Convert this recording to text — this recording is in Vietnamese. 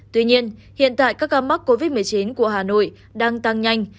tuy nhiên hiện tại các ca mắc covid một mươi chín của hà nội đang tăng nhanh